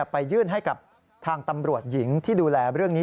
ไปยื่นให้กับทางตำรวจหญิงที่ดูแลเรื่องนี้